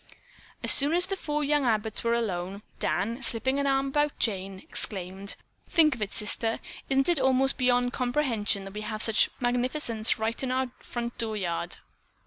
As soon as the four young Abbotts were alone, Dan, slipping an arm about Jane, exclaimed: "Think of it, sister! Isn't it almost beyond comprehension that we have such magnificence right in our front door yard."